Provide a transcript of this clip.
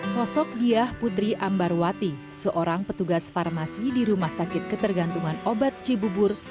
sosok diah putri ambarwati seorang petugas farmasi di rumah sakit ketergantungan obat cibubur